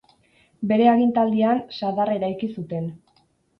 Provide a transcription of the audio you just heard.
Bere agintaldian Sadar eraiki zuten.